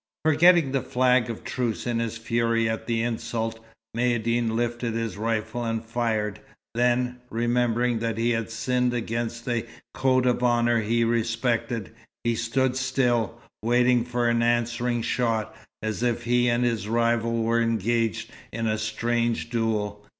Forgetting the flag of truce in his fury at the insult, Maïeddine lifted his rifle and fired; then, remembering that he had sinned against a code of honour he respected, he stood still, waiting for an answering shot, as if he and his rival were engaged in a strange duel.